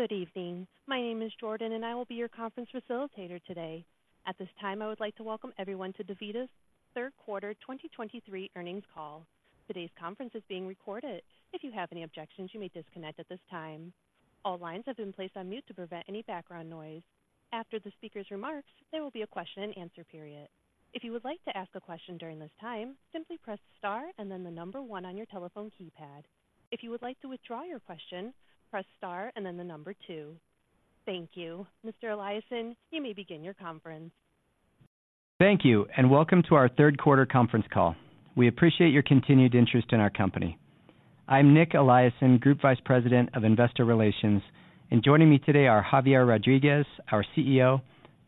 Good evening. My name is Jordan, and I will be your conference facilitator today. At this time, I would like to welcome everyone to DaVita's Q3 2023 earnings call. Today's conference is being recorded. If you have any objections, you may disconnect at this time. All lines have been placed on mute to prevent any background noise. After the speaker's remarks, there will be a question-and-answer period. If you would like to ask a question during this time, simply press star and then the number one on your telephone keypad. If you would like to withdraw your question, press star and then the number two. Thank you. Mr. Eliason, you may begin your conference. Thank you, and welcome to our Q3 conference call. We appreciate your continued interest in our company. I'm Nic Eliason, Group Vice President of Investor Relations, and joining me today are Javier Rodriguez, our CEO,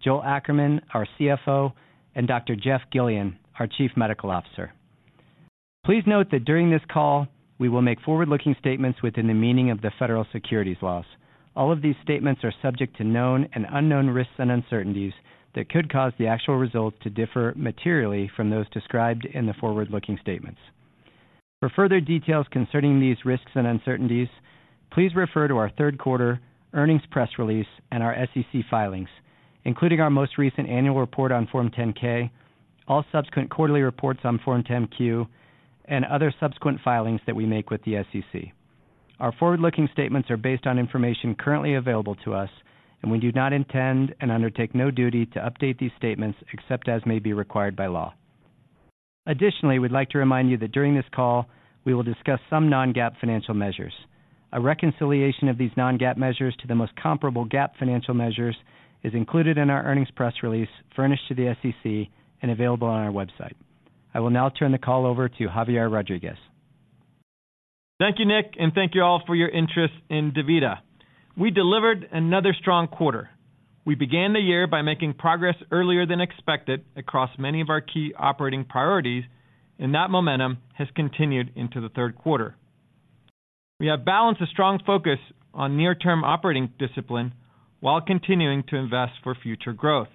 Joel Ackerman, our CFO, and Dr. Jeffrey Giullian, our Chief Medical Officer. Please note that during this call, we will make forward-looking statements within the meaning of the federal securities laws. All of these statements are subject to known and unknown risks and uncertainties that could cause the actual results to differ materially from those described in the forward-looking statements. For further details concerning these risks and uncertainties, please refer to our Q3 earnings press release and our SEC filings, including our most recent annual report on Form 10-K, all subsequent quarterly reports on Form 10-Q, and other subsequent filings that we make with the SEC. Our forward-looking statements are based on information currently available to us, and we do not intend and undertake no duty to update these statements except as may be required by law. Additionally, we'd like to remind you that during this call, we will discuss some Non-GAAP financial measures. A reconciliation of these Non-GAAP measures to the most comparable GAAP financial measures is included in our earnings press release, furnished to the SEC and available on our website. I will now turn the call over to Javier Rodriguez. Thank you, Nic, and thank you all for your interest in DaVita. We delivered another strong quarter. We began the year by making progress earlier than expected across many of our key operating priorities, and that momentum has continued into the Q3. We have balanced a strong focus on near-term operating discipline while continuing to invest for future growth.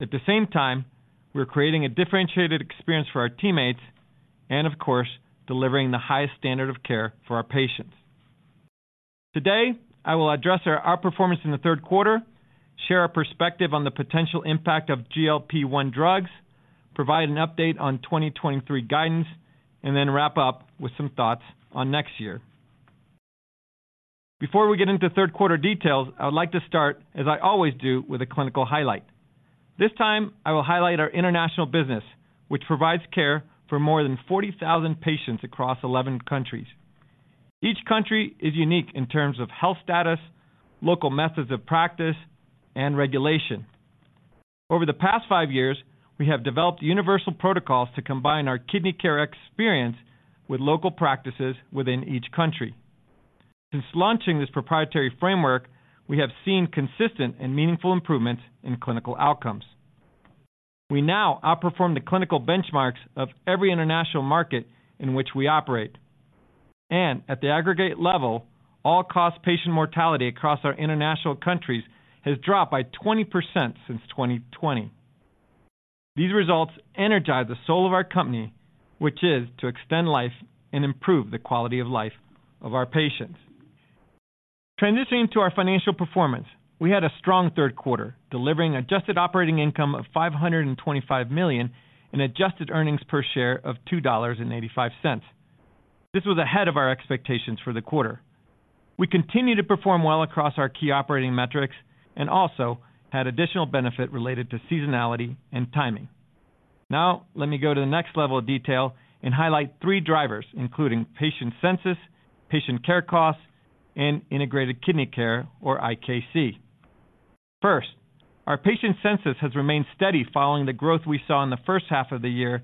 At the same time, we're creating a differentiated experience for our teammates and, of course, delivering the highest standard of care for our patients. Today, I will address our performance in the Q3, share our perspective on the potential impact of GLP-1 drugs, provide an update on 2023 guidance, and then wrap up with some thoughts on next year. Before we get into Q3 details, I would like to start, as I always do, with a clinical highlight. This time, I will highlight our international business, which provides care for more than 40,000 patients across 11 countries. Each country is unique in terms of health status, local methods of practice, and regulation. Over the past 5 years, we have developed universal protocols to combine our kidney care experience with local practices within each country. Since launching this proprietary framework, we have seen consistent and meaningful improvements in clinical outcomes. We now outperform the clinical benchmarks of every international market in which we operate, and at the aggregate level, all-cause patient mortality across our international countries has dropped by 20% since 2020. These results energize the soul of our company, which is to extend life and improve the quality of life of our patients. Transitioning to our financial performance, we had a strong Q3, delivering adjusted operating income of $525 million and adjusted earnings per share of $2.85. This was ahead of our expectations for the quarter. We continued to perform well across our key operating metrics and also had additional benefit related to seasonality and timing. Now, let me go to the next level of detail and highlight three drivers, including patient census, patient care costs, and integrated kidney care or IKC. First, our patient census has remained steady following the growth we saw in the first half of the year,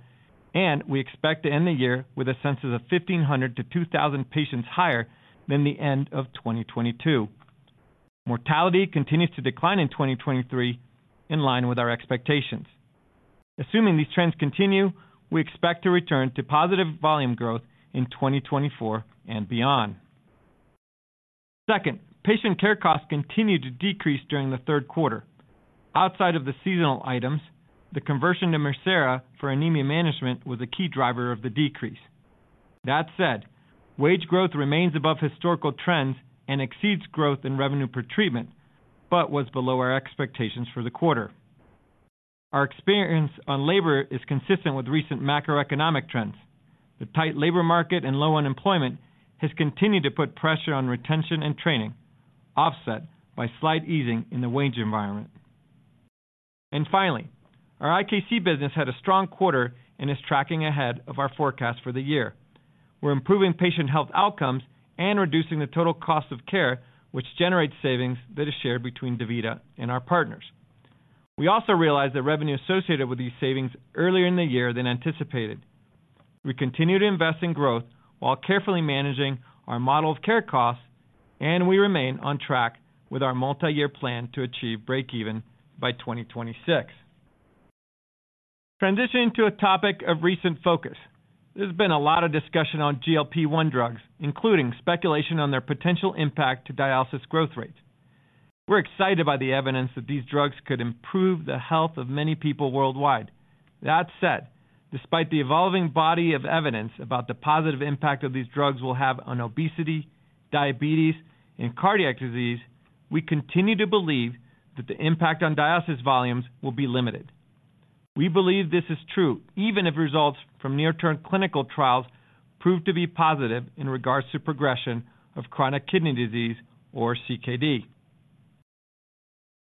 and we expect to end the year with a census of 1,500-2,000 patients higher than the end of 2022. Mortality continues to decline in 2023, in line with our expectations. Assuming these trends continue, we expect to return to positive volume growth in 2024 and beyond. Second, patient care costs continued to decrease during the Q3. Outside of the seasonal items, the conversion to Mircera for anemia management was a key driver of the decrease. That said, wage growth remains above historical trends and exceeds growth in revenue per treatment, but was below our expectations for the quarter. Our experience on labor is consistent with recent macroeconomic trends. The tight labor market and low unemployment has continued to put pressure on retention and training, offset by slight easing in the wage environment. And finally, our IKC business had a strong quarter and is tracking ahead of our forecast for the year. We're improving patient health outcomes and reducing the total cost of care, which generates savings that is shared between DaVita and our partners. We also realized that revenue associated with these savings earlier in the year than anticipated. We continue to invest in growth while carefully managing our model of care costs, and we remain on track with our multi-year plan to achieve breakeven by 2026. Transitioning to a topic of recent focus. There's been a lot of discussion on GLP-1 drugs, including speculation on their potential impact to dialysis growth rates. We're excited by the evidence that these drugs could improve the health of many people worldwide. That said, despite the evolving body of evidence about the positive impact of these drugs will have on obesity, diabetes, and cardiac disease, we continue to believe that the impact on dialysis volumes will be limited. We believe this is true, even if results from near-term clinical trials prove to be positive in regards to progression of chronic kidney disease or CKD.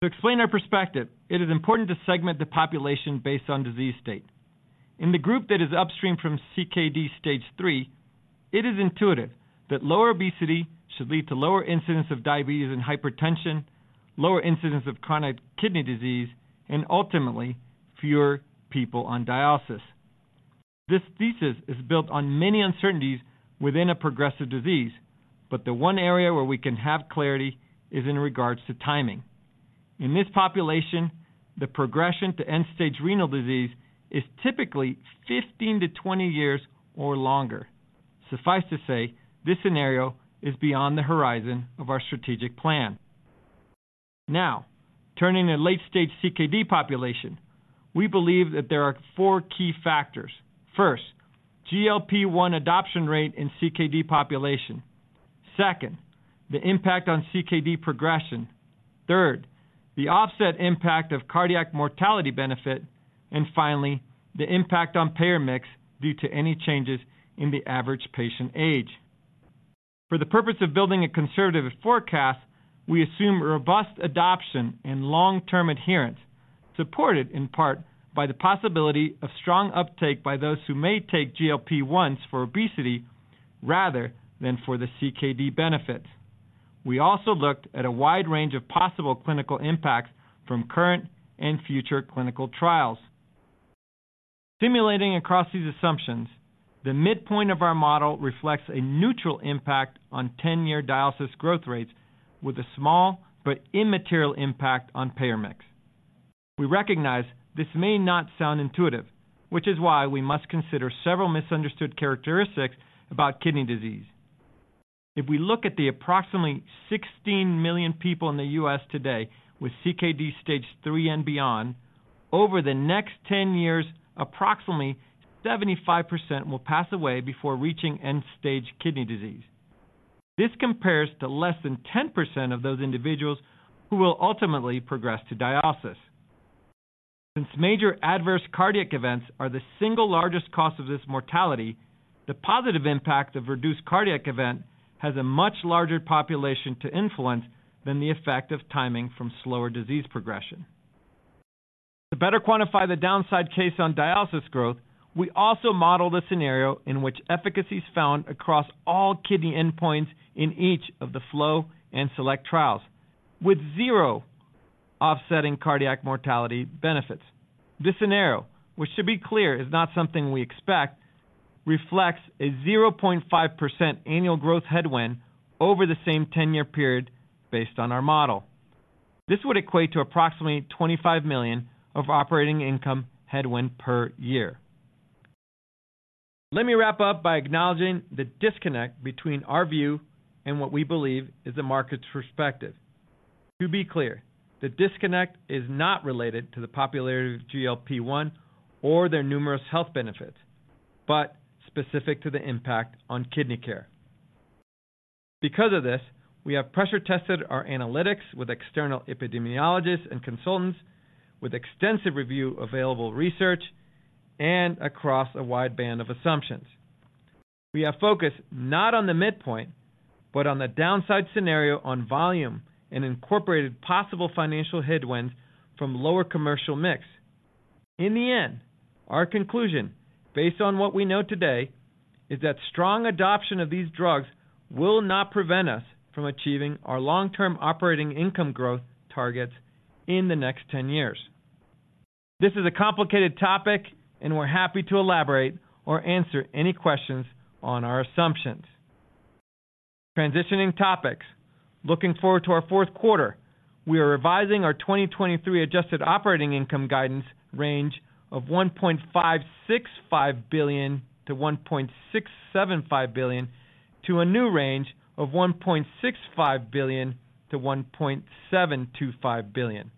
To explain our perspective, it is important to segment the population based on disease state. In the group that is upstream from CKD Stage 3, it is intuitive that lower obesity should lead to lower incidence of diabetes and hypertension, lower incidence of chronic kidney disease, and ultimately, fewer people on dialysis. This thesis is built on many uncertainties within a progressive disease, but the one area where we can have clarity is in regards to timing. In this population, the progression to end-stage renal disease is typically 15-20 years or longer. Suffice to say, this scenario is beyond the horizon of our strategic plan. Now, turning to late-stage CKD population, we believe that there are four key factors. First, GLP-1 adoption rate in CKD population. Second, the impact on CKD progression. Third, the offset impact of cardiac mortality benefit. Finally, the impact on payer mix due to any changes in the average patient age. For the purpose of building a conservative forecast, we assume robust adoption and long-term adherence, supported in part by the possibility of strong uptake by those who may take GLP-1s for obesity rather than for the CKD benefits. We also looked at a wide range of possible clinical impacts from current and future clinical trials. Simulating across these assumptions, the midpoint of our model reflects a neutral impact on 10-year dialysis growth rates, with a small but immaterial impact on payer mix. We recognize this may not sound intuitive, which is why we must consider several misunderstood characteristics about kidney disease. If we look at the approximately 16 million people in the U.S. today with CKD Stage 3 and beyond, over the next 10 years, approximately 75% will pass away before reaching end-stage kidney disease. This compares to less than 10% of those individuals who will ultimately progress to dialysis. Since major adverse cardiac events are the single largest cause of this mortality, the positive impact of reduced cardiac event has a much larger population to influence than the effect of timing from slower disease progression. To better quantify the downside case on dialysis growth, we also modeled a scenario in which efficacy is found across all kidney endpoints in each of the FLOW and SELECT trials, with zero offsetting cardiac mortality benefits. This scenario, which should be clear, is not something we expect, reflects a 0.5% annual growth headwind over the same 10-year period based on our model. This would equate to approximately $25 million of operating income headwind per year. Let me wrap up by acknowledging the disconnect between our view and what we believe is the market's perspective. To be clear, the disconnect is not related to the popularity of GLP-1 or their numerous health benefits, but specific to the impact on kidney care. Because of this, we have pressure-tested our analytics with external epidemiologists and consultants, with extensive review of available research and across a wide band of assumptions. We have focused not on the midpoint, but on the downside scenario on volume and incorporated possible financial headwinds from lower commercial mix. In the end, our conclusion, based on what we know today, is that strong adoption of these drugs will not prevent us from achieving our long-term operating income growth targets in the next 10 years. This is a complicated topic, and we're happy to elaborate or answer any questions on our assumptions. Transitioning topics. Looking forward to our Q4, we are revising our 2023 adjusted operating income guidance range of $1.565 billion-$1.675 billion, to a new range of $1.65 billion-$1.725 billion.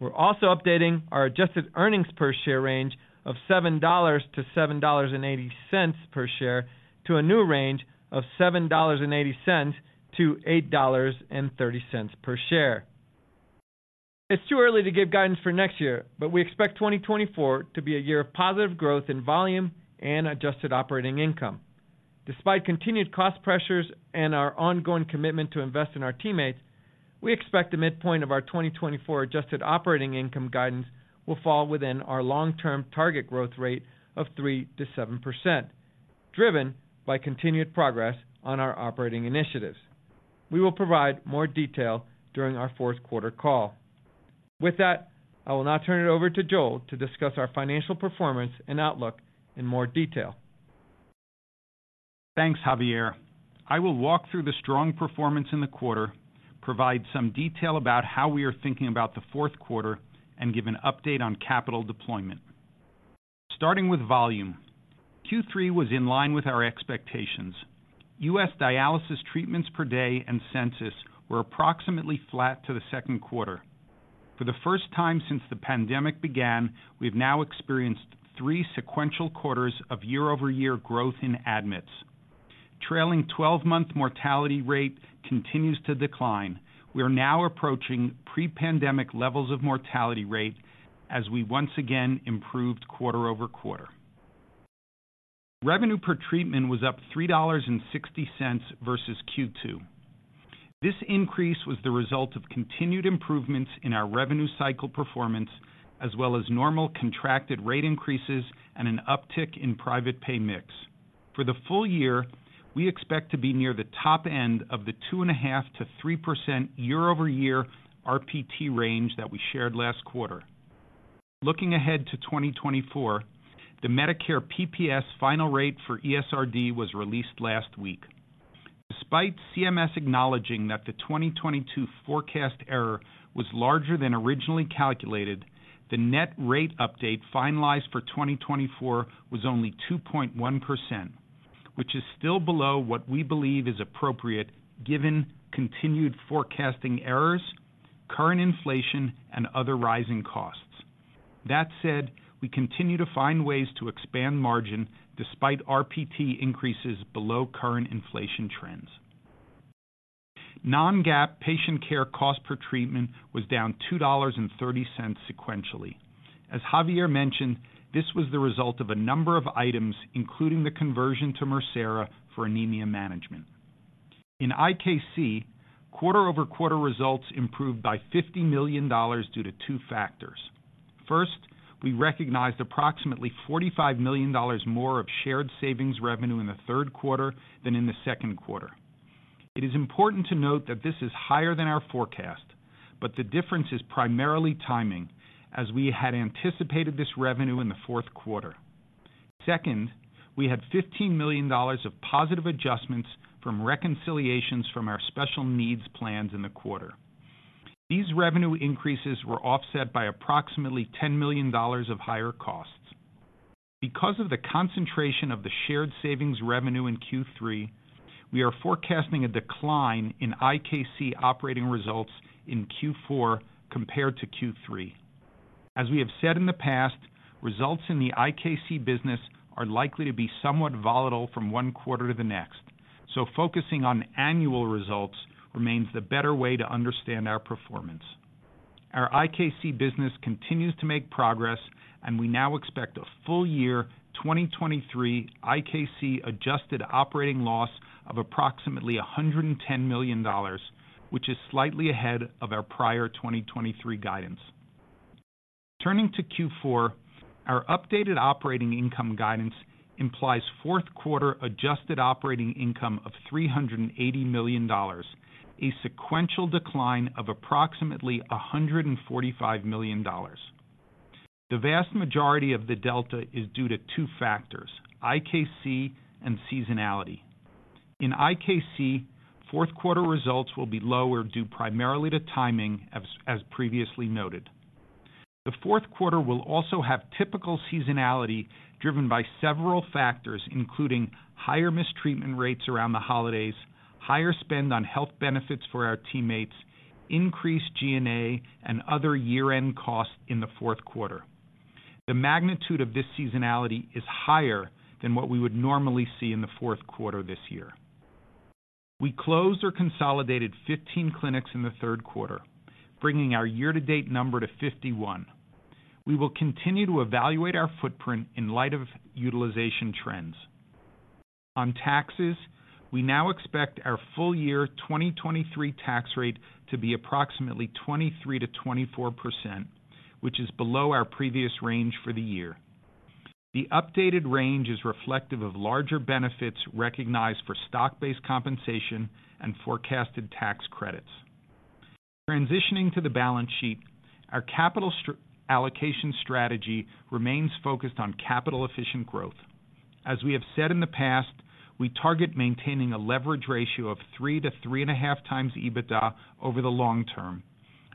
We're also updating our adjusted earnings per share range of $7-$7.80 per share, to a new range of $7.80-$8.30 per share. It's too early to give guidance for next year, but we expect 2024 to be a year of positive growth in volume and adjusted operating income. Despite continued cost pressures and our ongoing commitment to invest in our teammates, we expect the midpoint of our 2024 adjusted operating income guidance will fall within our long-term target growth rate of 3%-7%, driven by continued progress on our operating initiatives. We will provide more detail during our Q4 call. With that, I will now turn it over to Joel to discuss our financial performance and outlook in more detail. Thanks, Javier. I will walk through the strong performance in the quarter, provide some detail about how we are thinking about the Q4, and give an update on capital deployment... Starting with volume. Q3 was in line with our expectations. U.S. dialysis treatments per day and census were approximately flat to the Q2. For the first time since the pandemic began, we've now experienced 3 sequential quarters of year-over-year growth in admits. Trailing 12-month mortality rate continues to decline. We are now approaching pre-pandemic levels of mortality rate as we once again improved quarter-over-quarter. Revenue per treatment was up $3.60 versus Q2. This increase was the result of continued improvements in our revenue cycle performance, as well as normal contracted rate increases and an uptick in private pay mix. For the full year, we expect to be near the top end of the 2.5%-3% year-over-year RPT range that we shared last quarter. Looking ahead to 2024, the Medicare PPS final rate for ESRD was released last week. Despite CMS acknowledging that the 2022 forecast error was larger than originally calculated, the net rate update finalized for 2024 was only 2.1%, which is still below what we believe is appropriate given continued forecasting errors, current inflation, and other rising costs. That said, we continue to find ways to expand margin despite RPT increases below current inflation trends. Non-GAAP patient care cost per treatment was down $2.30 sequentially. As Javier mentioned, this was the result of a number of items, including the conversion to Mircera for anemia management. In IKC, quarter-over-quarter results improved by $50 million due to two factors. First, we recognized approximately $45 million more of shared savings revenue in the Q3 than in the Q2. It is important to note that this is higher than our forecast, but the difference is primarily timing, as we had anticipated this revenue in the Q4. Second, we had $15 million of positive adjustments from reconciliations from our Special Needs Plans in the quarter. These revenue increases were offset by approximately $10 million of higher costs. Because of the concentration of the shared savings revenue in Q3, we are forecasting a decline in IKC operating results in Q4 compared to Q3. As we have said in the past, results in the IKC business are likely to be somewhat volatile from one quarter to the next, so focusing on annual results remains the better way to understand our performance. Our IKC business continues to make progress, and we now expect a full year 2023 IKC adjusted operating loss of approximately $110 million, which is slightly ahead of our prior 2023 guidance. Turning to Q4, our updated operating income guidance implies Q4 adjusted operating income of $380 million, a sequential decline of approximately $145 million. The vast majority of the delta is due to two factors: IKC and seasonality. In IKC, Q4 results will be lower, due primarily to timing, as previously noted. The Q4 will also have typical seasonality, driven by several factors, including higher missed treatment rates around the holidays, higher spend on health benefits for our teammates, increased G&A, and other year-end costs in the Q4. The magnitude of this seasonality is higher than what we would normally see in the Q4 this year. We closed or consolidated 15 clinics in the Q3, bringing our year-to-date number to 51. We will continue to evaluate our footprint in light of utilization trends. On taxes, we now expect our full year 2023 tax rate to be approximately 23%-24%, which is below our previous range for the year. The updated range is reflective of larger benefits recognized for stock-based compensation and forecasted tax credits. Transitioning to the balance sheet, our capital allocation strategy remains focused on capital-efficient growth. As we have said in the past, we target maintaining a leverage ratio of 3-3.5 times EBITDA over the long term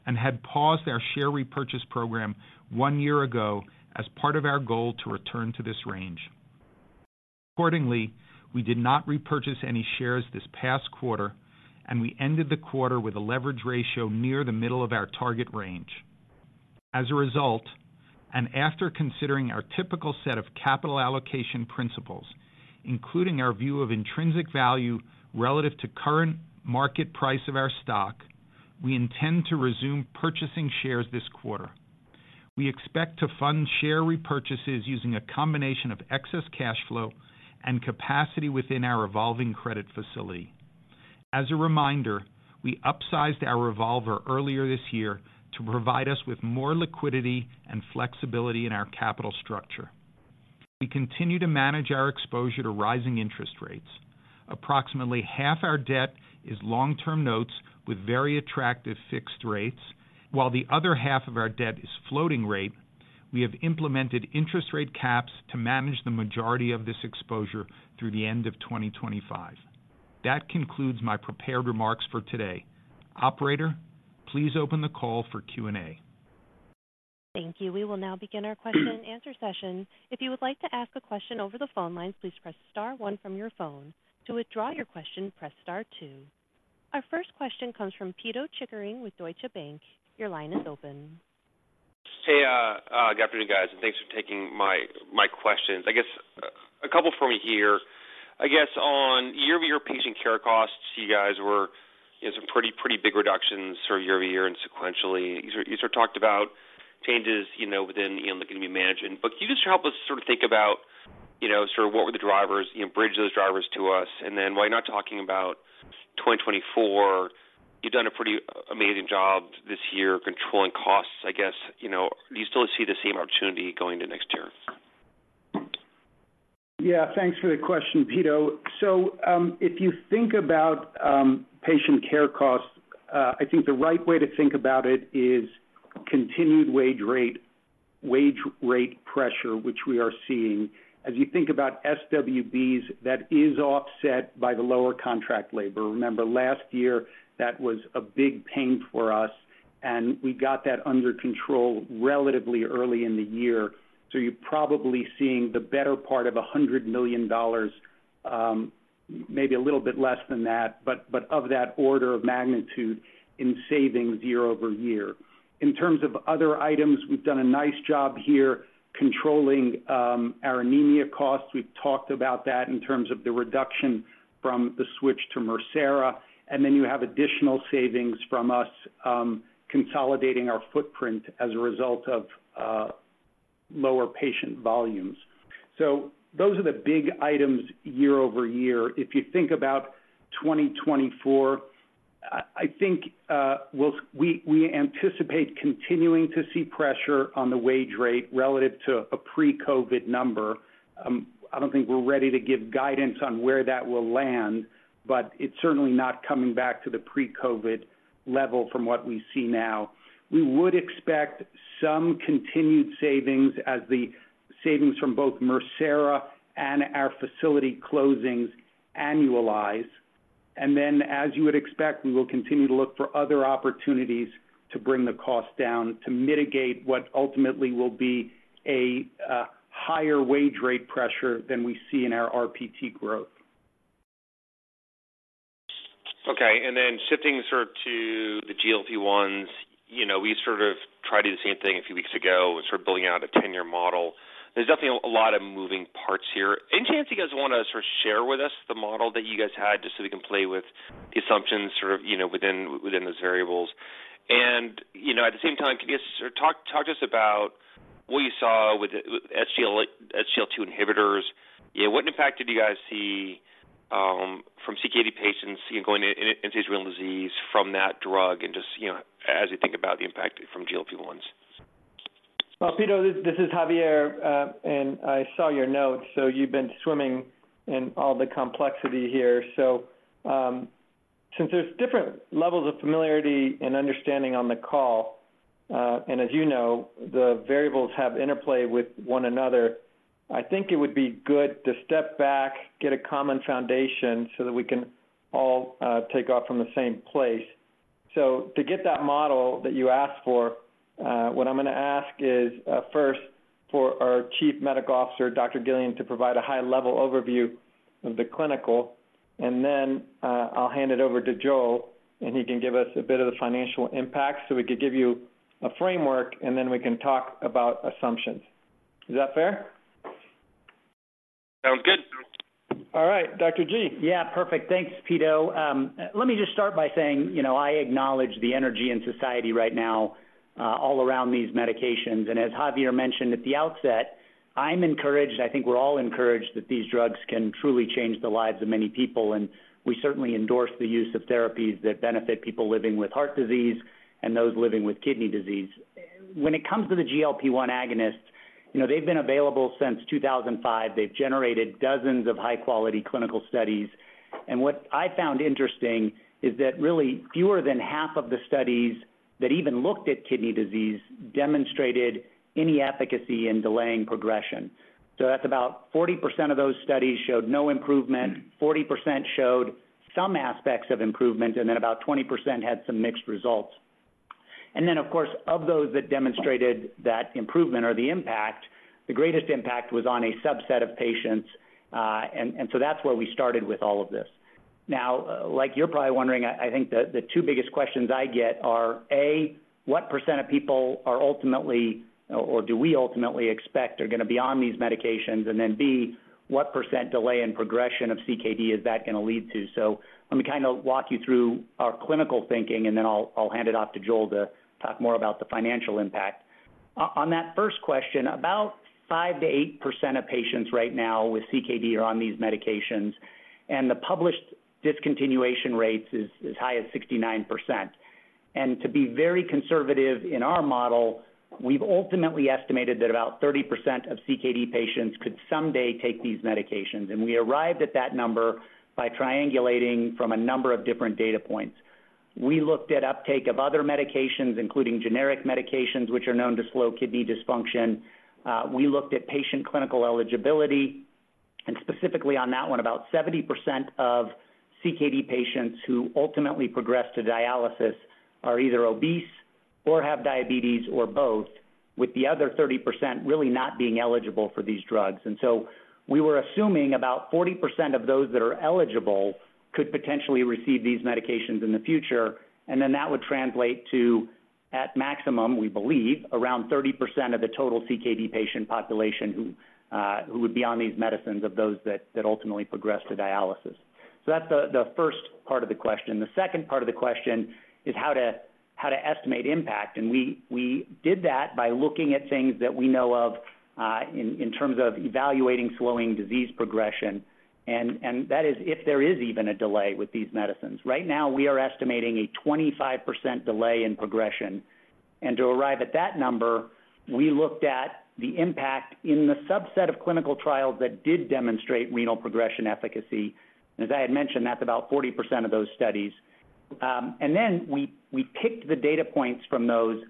and had paused our share repurchase program one year ago as part of our goal to return to this range. Accordingly, we did not repurchase any shares this past quarter, and we ended the quarter with a leverage ratio near the middle of our target range. As a result, and after considering our typical set of capital allocation principles, including our view of intrinsic value relative to current market price of our stock, we intend to resume purchasing shares this quarter. We expect to fund share repurchases using a combination of excess cash flow and capacity within our revolving credit facility. As a reminder, we upsized our revolver earlier this year to provide us with more liquidity and flexibility in our capital structure. We continue to manage our exposure to rising interest rates. Approximately half our debt is long-term notes with very attractive fixed rates, while the other half of our debt is floating rate. We have implemented interest rate caps to manage the majority of this exposure through the end of 2025. That concludes my prepared remarks for today. Operator? ... Please open the call for Q&A. Thank you. We will now begin our question and answer session. If you would like to ask a question over the phone lines, please press star one from your phone. To withdraw your question, press star two. Our first question comes from Pito Chickering with Deutsche Bank. Your line is open. Hey, good afternoon, guys, and thanks for taking my questions. I guess, a couple for me here. I guess on year-over-year patient care costs, you guys were, you know, some pretty, pretty big reductions sort of year-over-year and sequentially. You sort of talked about changes, you know, within, you know, looking to be managing. But can you just help us sort of think about, you know, sort of what were the drivers, you know, bridge those drivers to us? And then while you're not talking about 2024, you've done a pretty amazing job this year controlling costs. I guess, you know, do you still see the same opportunity going to next year? Yeah, thanks for the question, Pito. So, if you think about, patient care costs, I think the right way to think about it is continued wage rate, wage rate pressure, which we are seeing. As you think about SWBs, that is offset by the lower contract labor. Remember, last year, that was a big pain for us, and we got that under control relatively early in the year. So you're probably seeing the better part of $100 million, maybe a little bit less than that, but, but of that order of magnitude in savings year-over-year. In terms of other items, we've done a nice job here controlling, our anemia costs. We've talked about that in terms of the reduction from the switch to Mircera, and then you have additional savings from us consolidating our footprint as a result of lower patient volumes. So those are the big items year-over-year. If you think about 2024, I think we'll anticipate continuing to see pressure on the wage rate relative to a pre-COVID number. I don't think we're ready to give guidance on where that will land, but it's certainly not coming back to the pre-COVID level from what we see now. We would expect some continued savings as the savings from both Mircera and our facility closings annualize. Then, as you would expect, we will continue to look for other opportunities to bring the cost down, to mitigate what ultimately will be a higher wage rate pressure than we see in our RPT growth. Okay. And then shifting sort of to the GLP-1s. You know, we sort of tried to do the same thing a few weeks ago and sort of building out a 10-year model. There's definitely a lot of moving parts here. Any chance you guys want to sort of share with us the model that you guys had just so we can play with the assumptions sort of, you know, within those variables? And, you know, at the same time, can you just talk to us about what you saw with SGLT2 inhibitors? Yeah, what impact did you guys see from CKD patients, you know, going into end-stage renal disease from that drug and just, you know, as you think about the impact from GLP-1s? Well, Pito, this is Javier, and I saw your notes, so you've been swimming in all the complexity here. So, since there's different levels of familiarity and understanding on the call, and as you know, the variables have interplay with one another, I think it would be good to step back, get a common foundation so that we can all, take off from the same place. So to get that model that you asked for, what I'm gonna ask is, first for our chief medical officer, Dr. Giullian, to provide a high-level overview of the clinical, and then, I'll hand it over to Joel, and he can give us a bit of the financial impact, so we could give you a framework, and then we can talk about assumptions. Is that fair? Sounds good. All right, Dr. G. Yeah, perfect. Thanks, Pito. Let me just start by saying, you know, I acknowledge the energy in society right now, all around these medications. And as Javier mentioned at the outset, I'm encouraged, I think we're all encouraged, that these drugs can truly change the lives of many people, and we certainly endorse the use of therapies that benefit people living with heart disease and those living with kidney disease. When it comes to the GLP-1 agonists, you know, they've been available since 2005. They've generated dozens of high-quality clinical studies. And what I found interesting is that really fewer than half of the studies that even looked at kidney disease demonstrated any efficacy in delaying progression. So that's about 40% of those studies showed no improvement, 40% showed some aspects of improvement, and then about 20% had some mixed results. And then, of course, of those that demonstrated that improvement or the impact, the greatest impact was on a subset of patients, and so that's where we started with all of this. Now, like, you're probably wondering, I think the two biggest questions I get are, A, what percent of people are ultimately, or do we ultimately expect are gonna be on these medications? And then, B, what percent delay in progression of CKD is that gonna lead to? So let me kind of walk you through our clinical thinking, and then I'll hand it off to Joel to talk more about the financial impact. On that first question, about 5%-8% of patients right now with CKD are on these medications, and the published discontinuation rates is as high as 69%. To be very conservative in our model, we've ultimately estimated that about 30% of CKD patients could someday take these medications, and we arrived at that number by triangulating from a number of different data points. We looked at uptake of other medications, including generic medications, which are known to slow kidney dysfunction. We looked at patient clinical eligibility.... Specifically on that one, about 70% of CKD patients who ultimately progress to dialysis are either obese or have diabetes or both, with the other 30% really not being eligible for these drugs. We were assuming about 40% of those that are eligible could potentially receive these medications in the future, and then that would translate to, at maximum, we believe, around 30% of the total CKD patient population who would be on these medicines of those that ultimately progress to dialysis. That's the first part of the question. The second part of the question is how to estimate impact. We did that by looking at things that we know of in terms of evaluating slowing disease progression, and that is if there is even a delay with these medicines. Right now, we are estimating a 25% delay in progression. To arrive at that number, we looked at the impact in the subset of clinical trials that did demonstrate renal progression efficacy. And as I had mentioned, that's about 40% of those studies. And then we picked the data points from those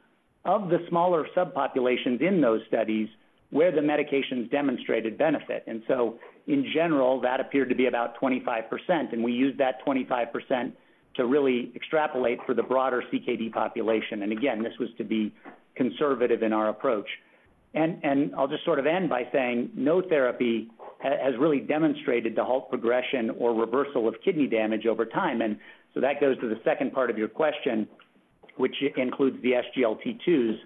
of the smaller subpopulations in those studies where the medications demonstrated benefit. And so in general, that appeared to be about 25%, and we used that 25% to really extrapolate for the broader CKD population. And again, this was to be conservative in our approach. And I'll just sort of end by saying, no therapy has really demonstrated to halt progression or reversal of kidney damage over time. And so that goes to the second part of your question, which includes the SGLT2s.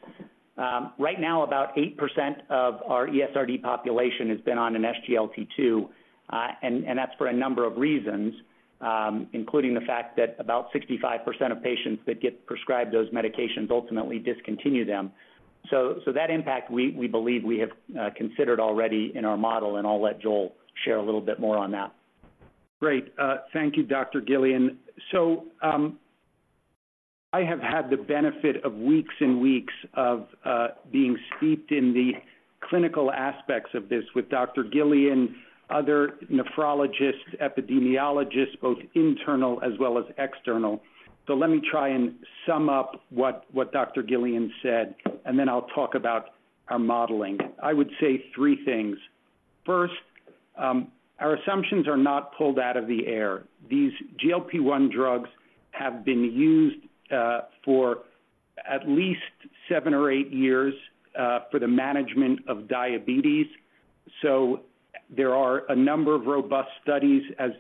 Right now, about 8% of our ESRD population has been on an SGLT2, and that's for a number of reasons, including the fact that about 65% of patients that get prescribed those medications ultimately discontinue them. So that impact, we believe we have considered already in our model, and I'll let Joel share a little bit more on that. Great. Thank you, Dr. Giullian. So, I have had the benefit of weeks and weeks of being steeped in the clinical aspects of this with Dr. Giullian, other nephrologists, epidemiologists, both internal as well as external. So let me try and sum up what Dr. Giullian said, and then I'll talk about our modeling. I would say three things. First, our assumptions are not pulled out of the air. These GLP-1 drugs have been used for at least 7 or 8 years for the management of diabetes, so there are a number of robust studies, as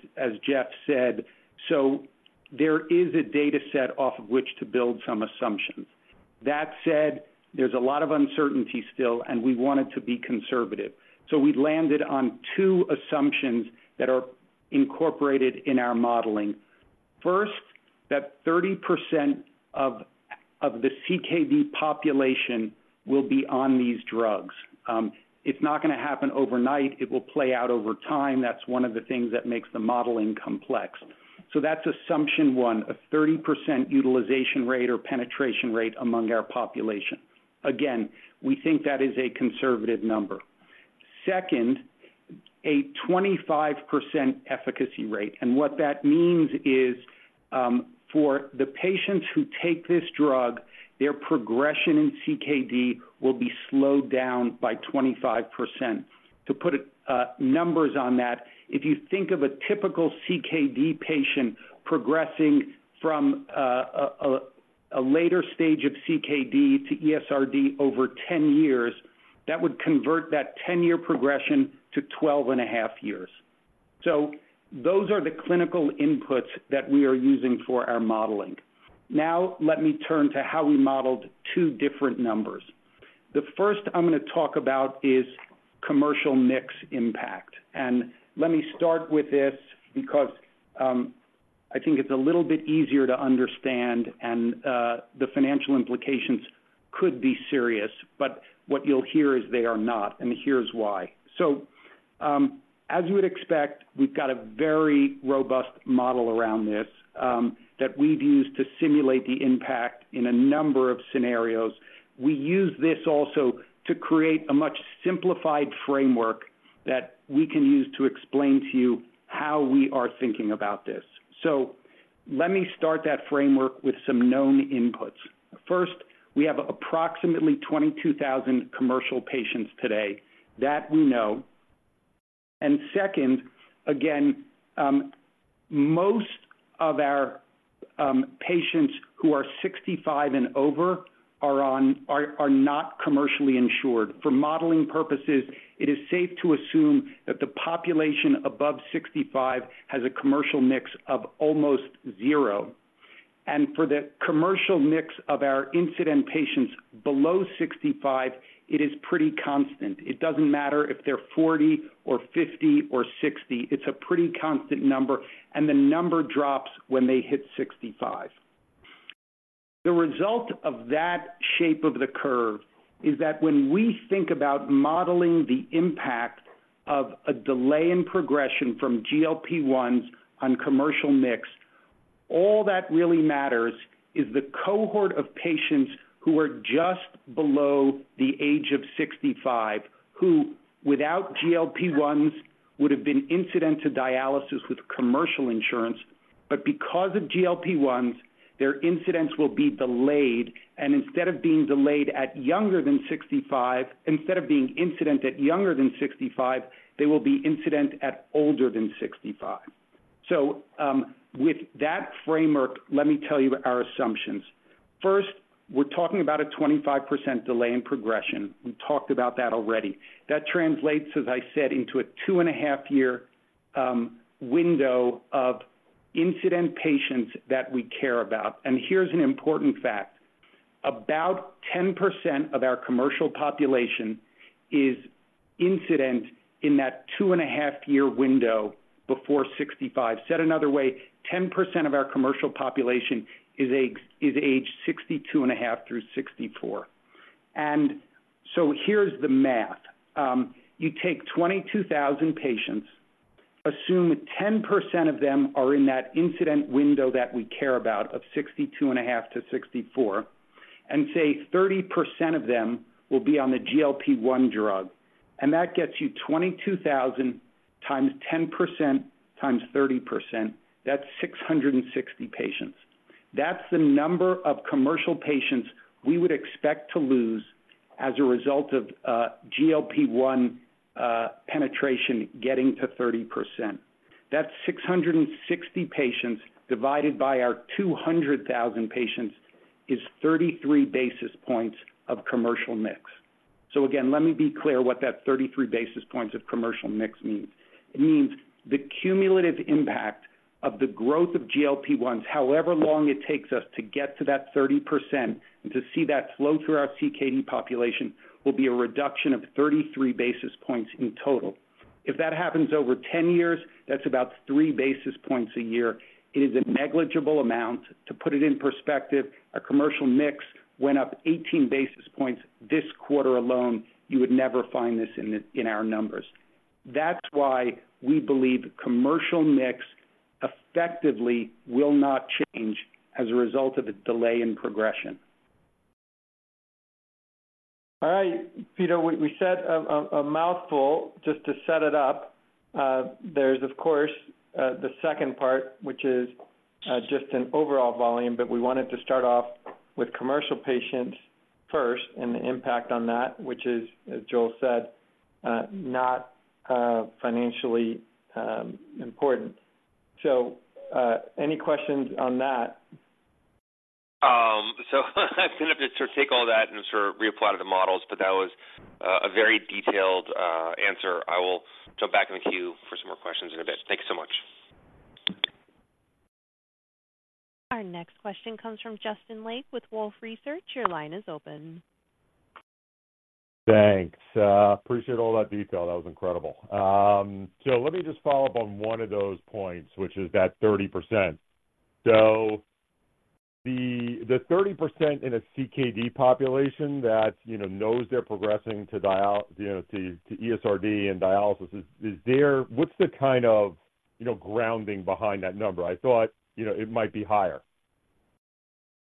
Jeff said. So there is a data set off of which to build some assumptions. That said, there's a lot of uncertainty still, and we wanted to be conservative. So we landed on 2 assumptions that are incorporated in our modeling. First, that 30% of the CKD population will be on these drugs. It's not going to happen overnight. It will play out over time. That's one of the things that makes the modeling complex. So that's assumption one, a 30% utilization rate or penetration rate among our population. Again, we think that is a conservative number. Second, a 25% efficacy rate, and what that means is, for the patients who take this drug, their progression in CKD will be slowed down by 25%. To put numbers on that, if you think of a typical CKD patient progressing from a later stage of CKD to ESRD over 10 years, that would convert that 10-year progression to 12.5 years. So those are the clinical inputs that we are using for our modeling. Now, let me turn to how we modeled two different numbers. The first I'm going to talk about is commercial mix impact. Let me start with this because I think it's a little bit easier to understand, and the financial implications could be serious, but what you'll hear is they are not, and here's why. So, as you would expect, we've got a very robust model around this, that we've used to simulate the impact in a number of scenarios. We use this also to create a much simplified framework that we can use to explain to you how we are thinking about this. So let me start that framework with some known inputs. First, we have approximately 22,000 commercial patients today. That we know. And second, again, most of our patients who are 65 and over are not commercially insured. For modeling purposes, it is safe to assume that the population above 65 has a commercial mix of almost zero. And for the commercial mix of our incident patients below 65, it is pretty constant. It doesn't matter if they're 40 or 50 or 60, it's a pretty constant number, and the number drops when they hit 65. The result of that shape of the curve is that when we think about modeling the impact of a delay in progression from GLP-1 on commercial mix, all that really matters is the cohort of patients who are just below the age of 65, who, without GLP-1, would have been incident to dialysis with commercial insurance… but because of GLP-1s, their incidence will be delayed, and instead of being delayed at younger than 65, instead of being incident at younger than 65, they will be incident at older than 65. So, with that framework, let me tell you our assumptions. First, we're talking about a 25% delay in progression. We talked about that already. That translates, as I said, into a 2.5-year window of incident patients that we care about. And here's an important fact: about 10% of our commercial population is incident in that 2.5-year window before 65. Said another way, 10% of our commercial population is age 62.5 through 64. And so here's the math. You take 22,000 patients, assume 10% of them are in that incident window that we care about of 62.5 to 64, and say 30% of them will be on the GLP-1 drug, and that gets you 22,000 × 10% × 30%. That's 660 patients. That's the number of commercial patients we would expect to lose as a result of GLP-1 penetration getting to 30%. That's 660 patients divided by our 200,000 patients, is 33 basis points of commercial mix. So again, let me be clear what that 33 basis points of commercial mix means. It means the cumulative impact of the growth of GLP-1s, however long it takes us to get to that 30% and to see that flow through our CKD population, will be a reduction of 33 basis points in total. If that happens over 10 years, that's about 3 basis points a year. It is a negligible amount. To put it in perspective, our commercial mix went up 18 basis points this quarter alone. You would never find this in our numbers. That's why we believe commercial mix effectively will not change as a result of a delay in progression. All right, Pito, we said a mouthful just to set it up. There's, of course, the second part, which is just an overall volume, but we wanted to start off with commercial patients first and the impact on that, which is, as Joel said, not financially important. So, any questions on that? So I'm going to have to take all that and sort of reapply to the models, but that was a very detailed answer. I will jump back in the queue for some more questions in a bit. Thank you so much. Our next question comes from Justin Lake with Wolfe Research. Your line is open. Thanks. Appreciate all that detail. That was incredible. So let me just follow up on one of those points, which is that 30%. So the 30% in a CKD population that, you know, knows they're progressing to dial, you know, to ESRD and dialysis, is there. What's the kind of, you know, grounding behind that number? I thought, you know, it might be higher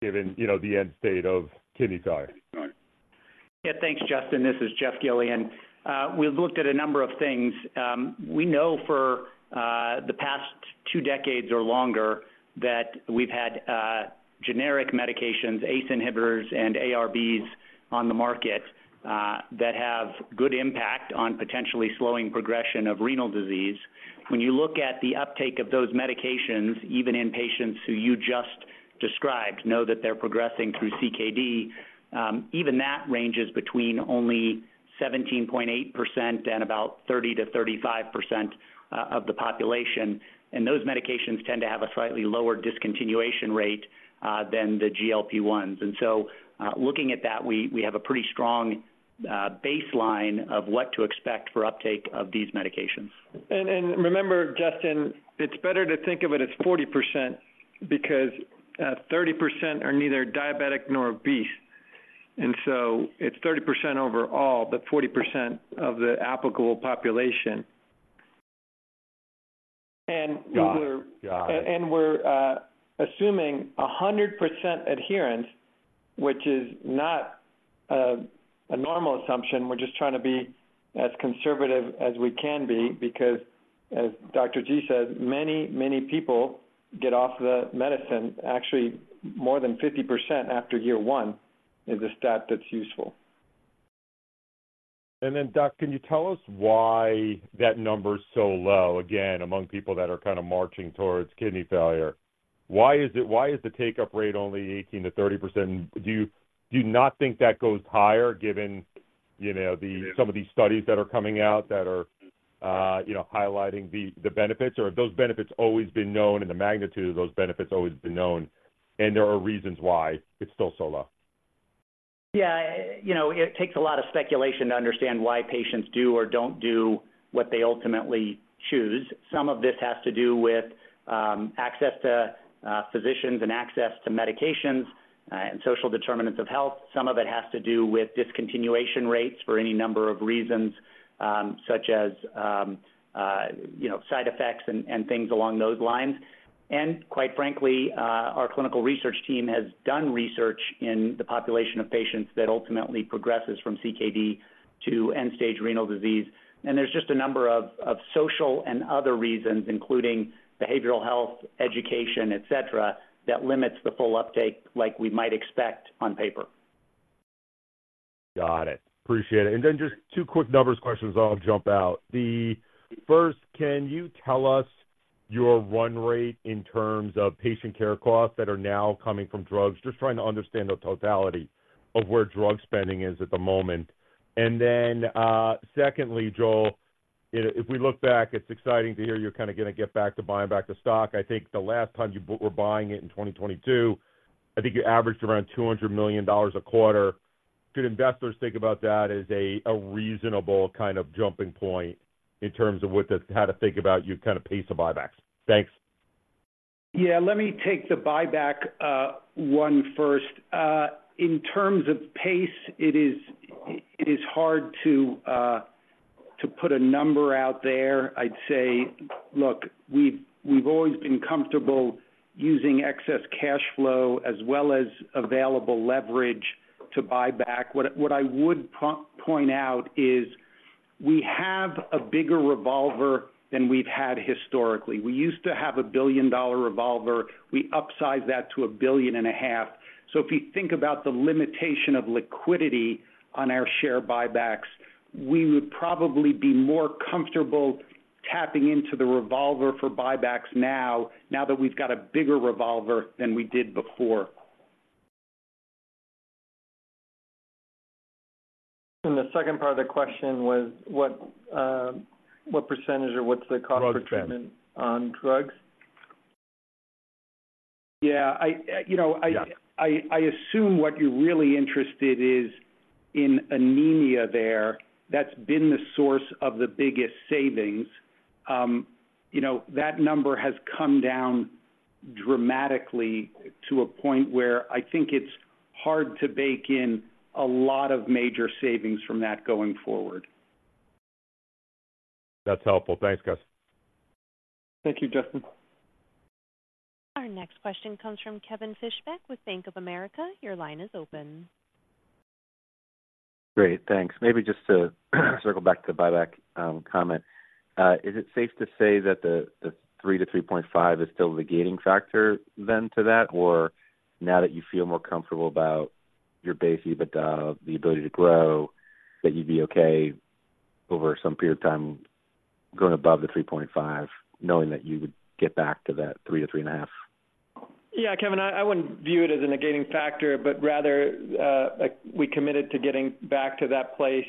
given, you know, the end state of kidney failure. Yeah, thanks, Justin. This is Jeffrey Giullian. We've looked at a number of things. We know for the past two decades or longer that we've had generic medications, ACE inhibitors and ARBs on the market that have good impact on potentially slowing progression of renal disease. When you look at the uptake of those medications, even in patients who you just described, know that they're progressing through CKD, even that ranges between only 17.8% and about 30%-35% of the population. And those medications tend to have a slightly lower discontinuation rate than the GLP-1. And so, looking at that, we have a pretty strong baseline of what to expect for uptake of these medications. and remember, Justin, it's better to think of it as 40% because 30% are neither diabetic nor obese, and so it's 30% overall, but 40% of the applicable population. And we were- Got it. Got it. And we're assuming 100% adherence, which is not a normal assumption. We're just trying to be as conservative as we can be because as Dr. G said, many, many people get off the medicine. Actually, more than 50% after year one is a stat that's useful. And then, Doc, can you tell us why that number is so low, again, among people that are kind of marching towards kidney failure? Why is it, why is the take-up rate only 18%-30%? Do you, do you not think that goes higher given, you know, the, some of these studies that are coming out that are, you know, highlighting the, the benefits, or have those benefits always been known and the magnitude of those benefits always been known, and there are reasons why it's still so low? Yeah, you know, it takes a lot of speculation to understand why patients do or don't do what they ultimately choose. Some of this has to do with access to physicians and access to medications and social determinants of health. Some of it has to do with discontinuation rates for any number of reasons, such as you know, side effects and things along those lines. And quite frankly, our clinical research team has done research in the population of patients that ultimately progresses from CKD to end-stage renal disease. And there's just a number of social and other reasons, including behavioral health, education, et cetera, that limits the full uptake like we might expect on paper. Got it. Appreciate it. And then just two quick numbers questions, I'll jump out. The first, can you tell us your run rate in terms of patient care costs that are now coming from drugs? Just trying to understand the totality of where drug spending is at the moment. And then, secondly, Joel, if we look back, it's exciting to hear you're kind of gonna get back to buying back the stock. I think the last time you were buying it in 2022, I think you averaged around $200 million a quarter. Could investors think about that as a reasonable kind of jumping point in terms of what this, how to think about your kind of pace of buybacks? Thanks. Yeah, let me take the buyback one first. In terms of pace, it is hard to put a number out there. I'd say, look, we've always been comfortable using excess cash flow as well as available leverage to buy back. What I would point out is we have a bigger revolver than we've had historically. We used to have a billion-dollar revolver. We upsized that to $1.5 billion. So if you think about the limitation of liquidity on our share buybacks, we would probably be more comfortable tapping into the revolver for buybacks now, now that we've got a bigger revolver than we did before. The second part of the question was what percentage or what's the cost per treatment- Drugs. -on drugs? Yeah, you know, yeah. I assume what you're really interested is in anemia there. That's been the source of the biggest savings. You know, that number has come down dramatically to a point where I think it's hard to bake in a lot of major savings from that going forward. That's helpful. Thanks, guys. Thank you, Justin. Our next question comes from Kevin Fischbeck with Bank of America. Your line is open. Great, thanks. Maybe just to circle back to the buyback comment. Is it safe to say that the 3-3.5 is still the gating factor then to that? Or now that you feel more comfortable about your base EBITDA, the ability to grow, that you'd be okay over some period of time going above the 3.5, knowing that you would get back to that 3-3.5? Yeah, Kevin, I wouldn't view it as a negating factor, but rather, like, we committed to getting back to that place,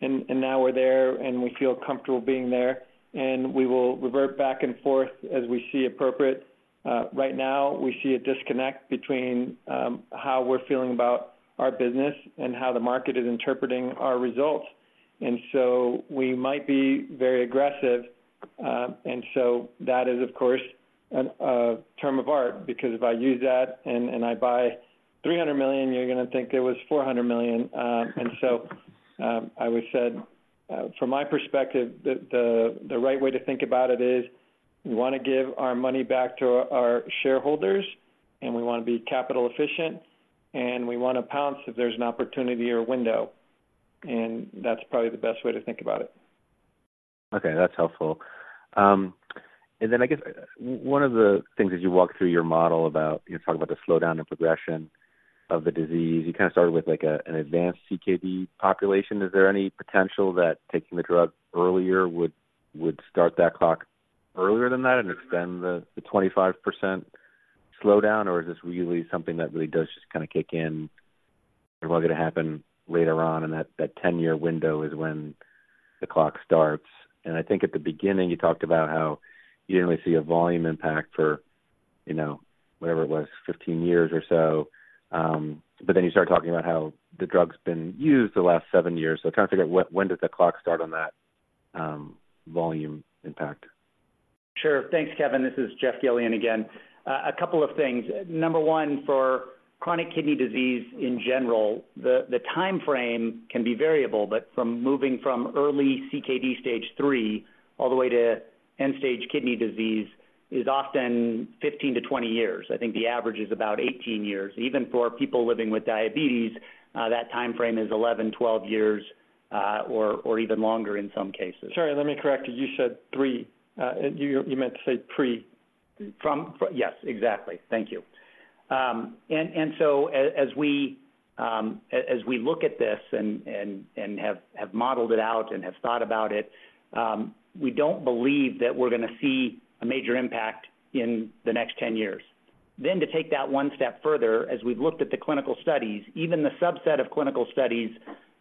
and now we're there, and we feel comfortable being there, and we will revert back and forth as we see appropriate. Right now, we see a disconnect between how we're feeling about our business and how the market is interpreting our results. And so we might be very aggressive, and so that is, of course, a term of art, because if I use that and I buy $300 million, you're gonna think it was $400 million. And so, I always said, from my perspective, the right way to think about it is, we wanna give our money back to our shareholders, and we wanna be capital efficient, and we wanna pounce if there's an opportunity or a window. And that's probably the best way to think about it. Okay, that's helpful. And then I guess one of the things as you walk through your model about, you talk about the slowdown and progression of the disease, you kind of started with, like, an advanced CKD population. Is there any potential that taking the drug earlier would, would start that clock earlier than that and extend the, the 25% slowdown? Or is this really something that really does just kind of kick in and well gonna happen later on, and that, that 10-year window is when the clock starts. And I think at the beginning, you talked about how you didn't really see a volume impact for, you know, whatever it was, 15 years or so. But then you start talking about how the drug's been used the last 7 years. Trying to figure out when does the clock start on that, volume impact? Sure. Thanks, Kevin. This is Jeffrey Giullian again. A couple of things. Number one, for chronic kidney disease in general, the timeframe can be variable, but from moving from early CKD stage three all the way to end-stage kidney disease is often 15-20 years. I think the average is about 18 years. Even for people living with diabetes, that timeframe is 11-12 years or even longer in some cases. Sorry, let me correct. You said three. You meant to say pre. Yes, exactly. Thank you. And so as we look at this and have modeled it out and have thought about it, we don't believe that we're gonna see a major impact in the next 10 years. Then to take that one step further, as we've looked at the clinical studies, even the subset of clinical studies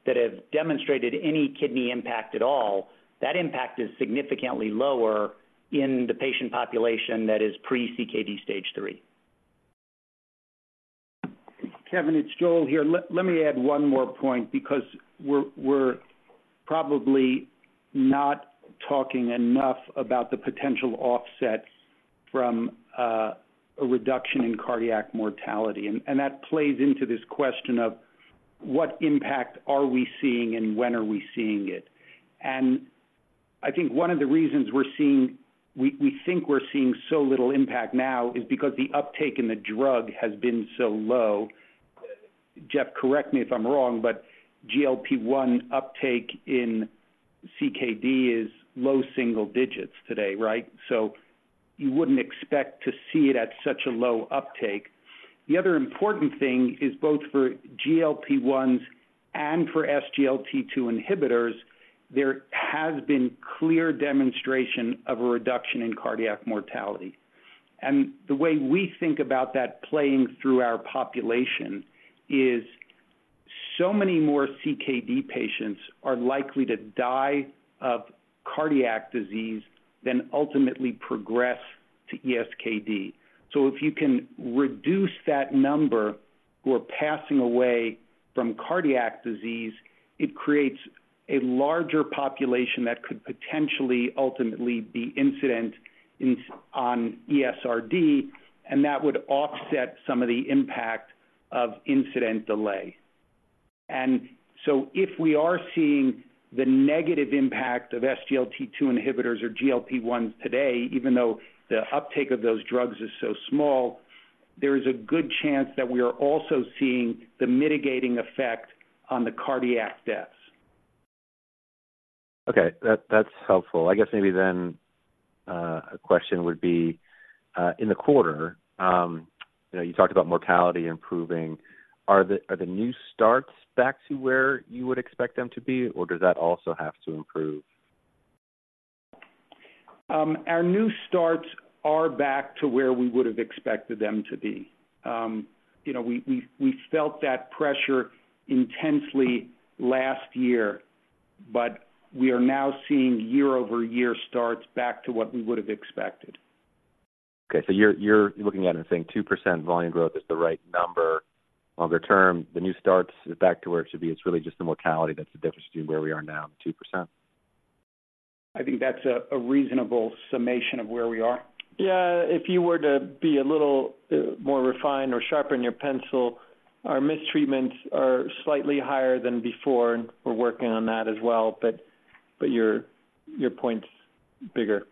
that have demonstrated any kidney impact at all, that impact is significantly lower in the patient population that is pre-CKD Stage 3. Kevin, it's Joel here. Let me add one more point, because we're probably not talking enough about the potential offset from a reduction in cardiac mortality, and that plays into this question of: What impact are we seeing and when are we seeing it? I think one of the reasons we're seeing, we think we're seeing so little impact now, is because the uptake in the drug has been so low. Jeff, correct me if I'm wrong, but GLP-1 uptake in CKD is low single digits today, right? So you wouldn't expect to see it at such a low uptake. The other important thing is both for GLP-1s and for SGLT2 inhibitors, there has been clear demonstration of a reduction in cardiac mortality. And the way we think about that playing through our population is so many more CKD patients are likely to die of cardiac disease than ultimately progress to ESRD. So if you can reduce that number who are passing away from cardiac disease, it creates a larger population that could potentially ultimately be incident in, on ESRD, and that would offset some of the impact of incident delay. And so if we are seeing the negative impact of SGLT2 inhibitors or GLP-1 today, even though the uptake of those drugs is so small, there is a good chance that we are also seeing the mitigating effect on the cardiac deaths. Okay, that, that's helpful. I guess maybe then, a question would be, in the quarter, you know, you talked about mortality improving. Are the new starts back to where you would expect them to be, or does that also have to improve? Our new starts are back to where we would have expected them to be. You know, we felt that pressure intensely last year, but we are now seeing year-over-year starts back to what we would have expected. Okay, so you're looking at it and saying 2% volume growth is the right number. Longer term, the new starts is back to where it should be. It's really just the mortality that's the difference between where we are now, 2%. I think that's a reasonable summation of where we are. Yeah. If you were to be a little more refined or sharpen your pencil, our mistreatments are slightly higher than before, and we're working on that as well. But your point's bigger.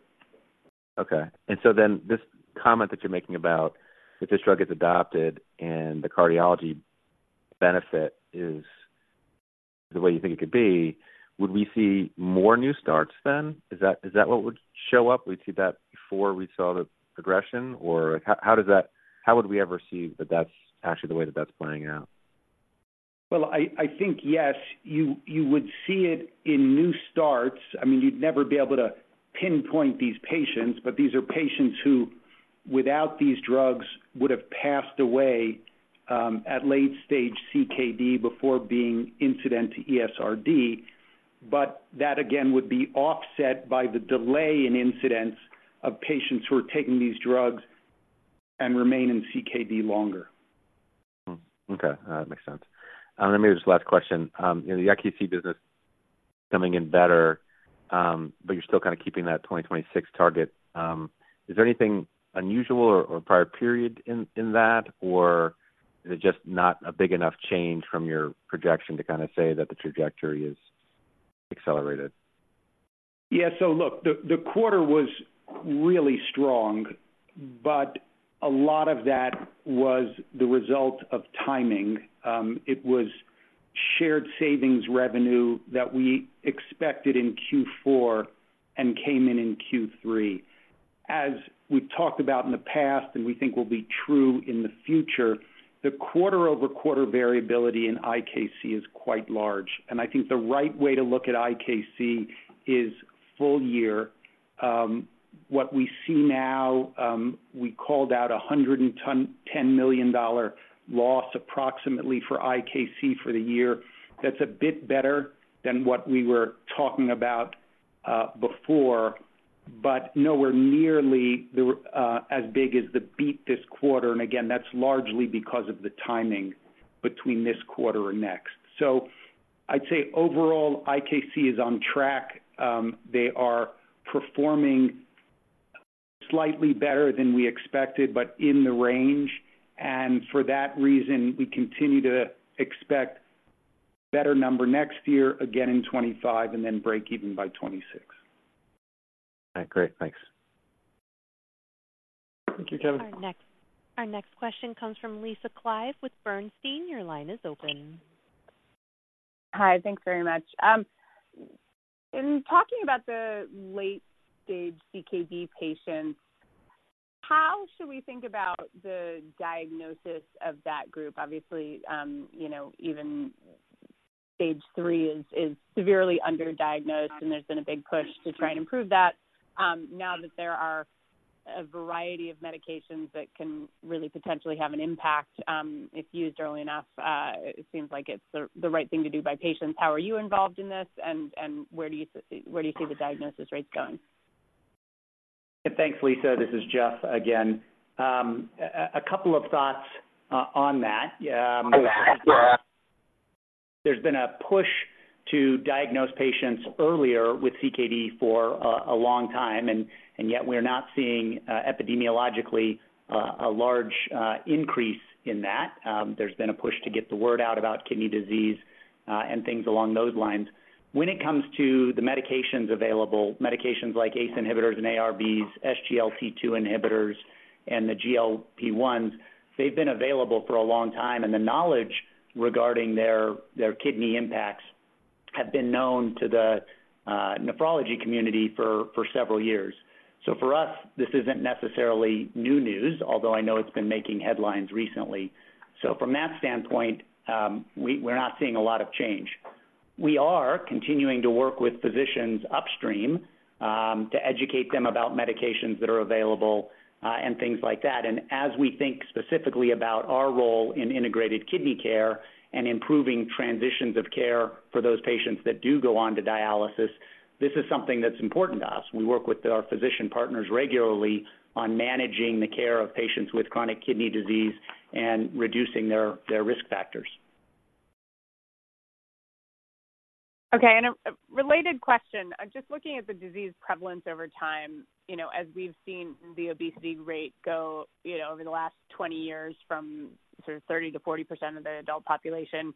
Okay. And so then this comment that you're making about if this drug gets adopted and the cardiology benefit is the way you think it could be, would we see more new starts then? Is that what would show up? We'd see that before we saw the progression, or how does that, how would we ever see that that's actually the way that that's playing out? Well, I think, yes, you would see it in new starts. I mean, you'd never be able to pinpoint these patients, but these are patients who, without these drugs, would have passed away at late stage CKD before being incident to ESRD. But that, again, would be offset by the delay in incidents of patients who are taking these drugs and remain in CKD longer. Okay, makes sense. And then maybe just last question. The IKC business coming in better, but you're still kind of keeping that 2026 target. Is there anything unusual or prior period in that? Or is it just not a big enough change from your projection to kind of say that the trajectory is accelerated? Yeah. So look, the quarter was really strong, but a lot of that was the result of timing. It was shared savings revenue that we expected in Q4 and came in in Q3. As we talked about in the past, and we think will be true in the future, the quarter-over-quarter variability in IKC is quite large, and I think the right way to look at IKC is full year. What we see now, we called out $110 million loss, approximately, for IKC for the year. That's a bit better than what we were talking about, before, but nowhere nearly as big as the beat this quarter. And again, that's largely because of the timing between this quarter and next. So I'd say overall, IKC is on track. They are performing slightly better than we expected, but in the range, and for that reason, we continue to expect better number next year, again in 2025, and then break even by 2026. All right, great. Thanks. Thank you, Kevin. Our next question comes from Lisa Clive with Bernstein. Your line is open. Hi, thanks very much. In talking about the late-stage CKD patients, how should we think about the diagnosis of that group? Obviously, you know, even stage three is severely underdiagnosed, and there's been a big push to try and improve that. Now that there are a variety of medications that can really potentially have an impact, if used early enough, it seems like it's the right thing to do by patients. How are you involved in this, and where do you see the diagnosis rates going? Thanks, Lisa. This is Jeff again. A couple of thoughts on that. There's been a push to diagnose patients earlier with CKD for a long time, and yet we're not seeing, epidemiologically, a large increase in that. There's been a push to get the word out about kidney disease, and things along those lines. When it comes to the medications available, medications like ACE inhibitors and ARBs, SGLT2 inhibitors, and the GLP-1s, they've been available for a long time, and the knowledge regarding their kidney impacts have been known to the nephrology community for several years. So for us, this isn't necessarily new news, although I know it's been making headlines recently. So from that standpoint, we're not seeing a lot of change. We are continuing to work with physicians upstream, to educate them about medications that are available, and things like that. As we think specifically about our role in integrated kidney care and improving transitions of care for those patients that do go on to dialysis, this is something that's important to us. We work with our physician partners regularly on managing the care of patients with chronic kidney disease and reducing their risk factors. Okay, and a related question. Just looking at the disease prevalence over time, you know, as we've seen the obesity rate go, you know, over the last 20 years from sort of 30%-40% of the adult population,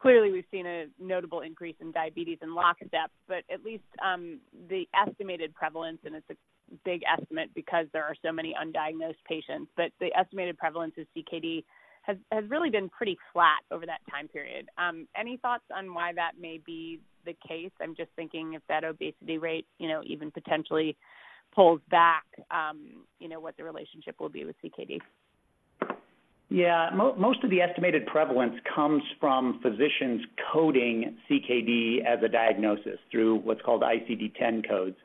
clearly, we've seen a notable increase in diabetes and lockstep, but at least the estimated prevalence, and it's a big estimate because there are so many undiagnosed patients, but the estimated prevalence of CKD has really been pretty flat over that time period. Any thoughts on why that may be the case? I'm just thinking if that obesity rate, you know, even potentially pulls back, you know, what the relationship will be with CKD. Yeah. Most of the estimated prevalence comes from physicians coding CKD as a diagnosis through what's called ICD-10 codes.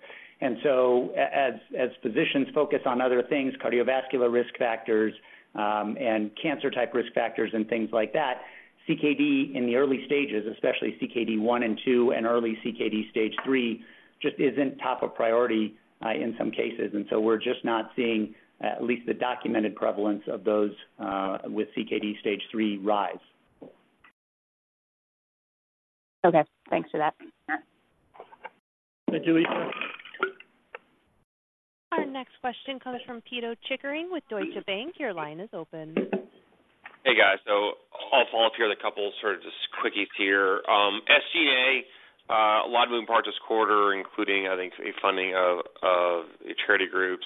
And so as physicians focus on other things, cardiovascular risk factors, and cancer-type risk factors and things like that, CKD in the early stages, especially CKD 1 and 2 and early CKD Stage 3, just isn't top of priority, in some cases. And so we're just not seeing, at least the documented prevalence of those, with CKD Stage 3 rise. Okay. Thanks for that. Thank you. Our next question comes from Pito Chickering with Deutsche Bank. Your line is open. Hey, guys. So I'll follow up here with a couple sort of just quickies here. SG&A, a lot of moving parts this quarter, including, I think, a funding of the charity groups.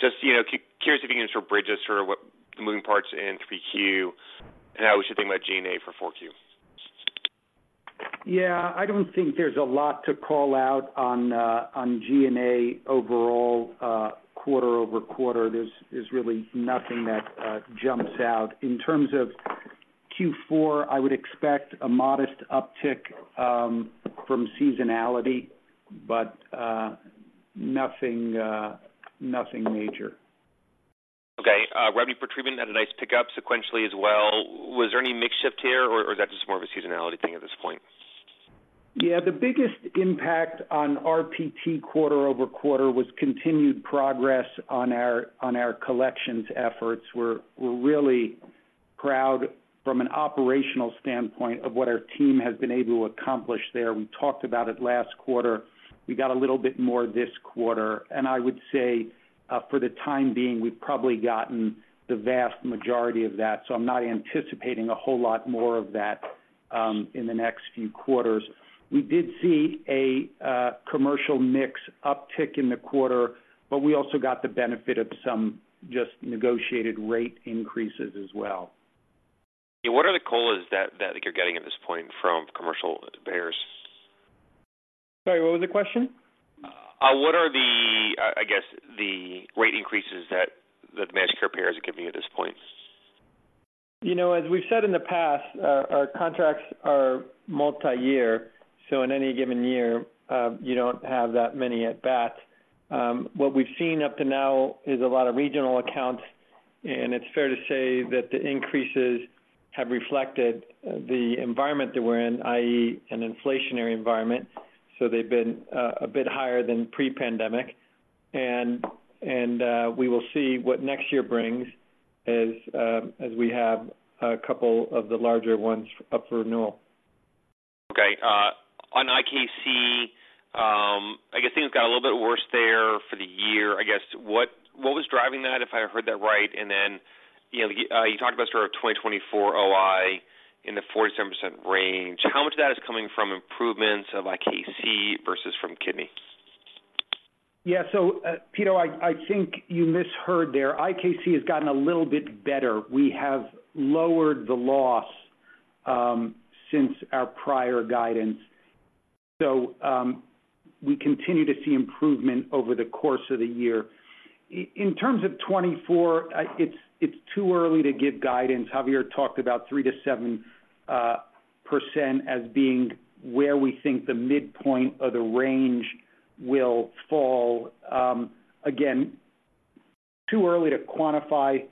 Just, you know, curious if you can sort of bridge us sort of what the moving parts in 3Q, and how we should think about G&A for 4Q. Yeah, I don't think there's a lot to call out on, on G&A overall, quarter-over-quarter. There's really nothing that jumps out. In terms of Q4, I would expect a modest uptick, from seasonality, but, nothing major. Okay, revenue per treatment had a nice pickup sequentially as well. Was there any mix shift here, or is that just more of a seasonality thing at this point? Yeah, the biggest impact on RPT quarter-over-quarter was continued progress on our collections efforts. We're really proud from an operational standpoint of what our team has been able to accomplish there. We talked about it last quarter. We got a little bit more this quarter, and I would say for the time being, we've probably gotten the vast majority of that, so I'm not anticipating a whole lot more of that in the next few quarters. We did see a commercial mix uptick in the quarter, but we also got the benefit of some just negotiated rate increases as well. What are the calls that you're getting at this point from commercial payers? Sorry, what was the question? What are the, I guess, the rate increases that the managed care payers are giving you at this point? You know, as we've said in the past, our contracts are multi-year, so in any given year, you don't have that many at bat. What we've seen up to now is a lot of regional accounts, and it's fair to say that the increases have reflected the environment that we're in, i.e., an inflationary environment, so they've been a bit higher than pre-pandemic. And we will see what next year brings as we have a couple of the larger ones up for renewal. Okay. On IKC, I guess things got a little bit worse there for the year. I guess, what, what was driving that, if I heard that right? And then, you know, you talked about sort of 2024 OI in the 47% range. How much of that is coming from improvements of IKC versus from kidney? Yeah. So, Pito, I think you misheard there. IKC has gotten a little bit better. We have lowered the loss, since our prior guidance, so, we continue to see improvement over the course of the year. In terms of 2024, it's too early to give guidance. Javier talked about 3%-7% as being where we think the midpoint of the range will fall. Again, too early to quantify,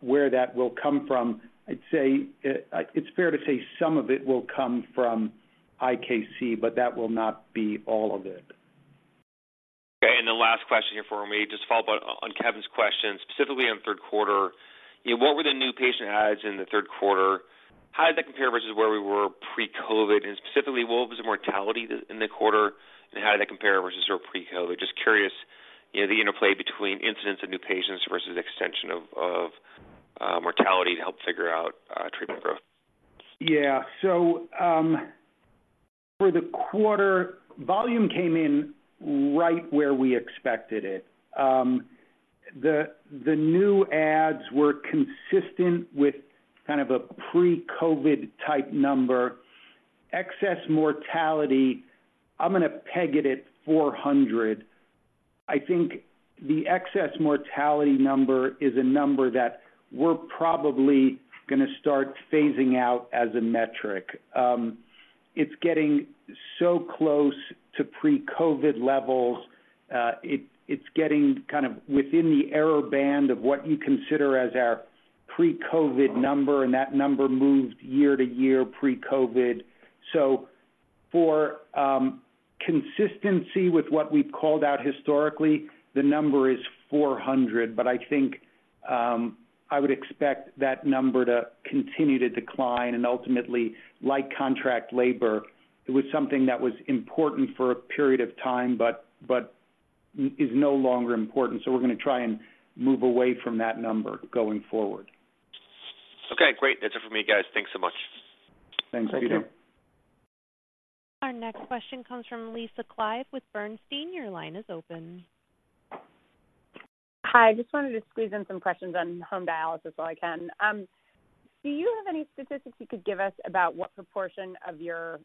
where that will come from. I'd say, it's fair to say some of it will come from IKC, but that will not be all of it. Okay, and the last question here for me, just to follow up on Kevin's question, specifically on Q3. What were the new patient adds in the Q3? How did that compare versus where we were pre-COVID? And specifically, what was the mortality in the quarter, and how did that compare versus our pre-COVID? Just curious, you know, the interplay between incidents and new patients versus extension of mortality to help figure out treatment growth. Yeah. So, for the quarter, volume came in right where we expected it.... The new adds were consistent with kind of a pre-COVID type number. Excess mortality, I'm gonna peg it at 400. I think the excess mortality number is a number that we're probably gonna start phasing out as a metric. It's getting so close to pre-COVID levels, it's getting kind of within the error band of what you consider as our pre-COVID number, and that number moved year to year pre-COVID. So for consistency with what we've called out historically, the number is 400, but I think, I would expect that number to continue to decline and ultimately, like contract labor, it was something that was important for a period of time, but is no longer important. So we're gonna try and move away from that number going forward. Okay, great. That's it for me, guys. Thanks so much. Thanks, Pito. Our next question comes from Lisa Clive with Bernstein. Your line is open. Hi. Just wanted to squeeze in some questions on home dialysis while I can. Do you have any statistics you could give us about what proportion of your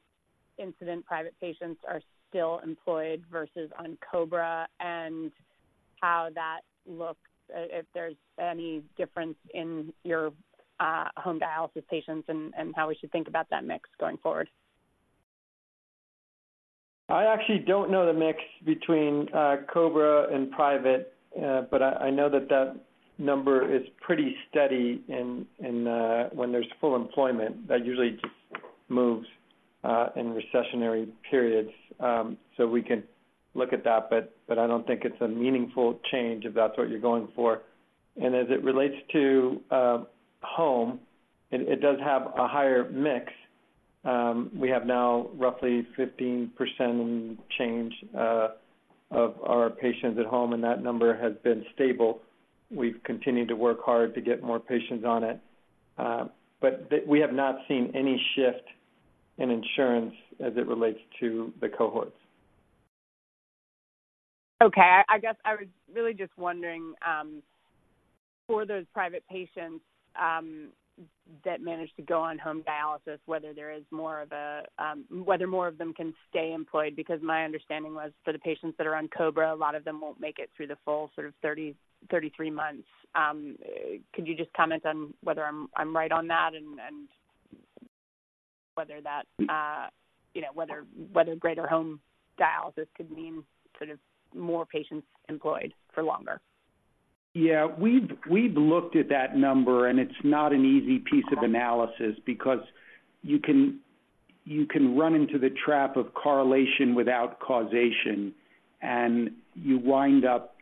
incident private patients are still employed versus on COBRA, and how that looks, if there's any difference in your home dialysis patients and how we should think about that mix going forward? I actually don't know the mix between COBRA and private, but I know that that number is pretty steady in when there's full employment. That usually just moves in recessionary periods. So we can look at that, but I don't think it's a meaningful change if that's what you're going for. And as it relates to home, it does have a higher mix. We have now roughly 15% and change of our patients at home, and that number has been stable. We've continued to work hard to get more patients on it. But we have not seen any shift in insurance as it relates to the cohorts. Okay, I guess I was really just wondering, for those private patients that managed to go on home dialysis, whether there is more of a, whether more of them can stay employed, because my understanding was for the patients that are on COBRA, a lot of them won't make it through the full sort of 33 months. Could you just comment on whether I'm right on that and whether that, you know, whether greater home dialysis could mean sort of more patients employed for longer? Yeah, we've looked at that number, and it's not an easy piece of analysis because you can run into the trap of correlation without causation, and you wind up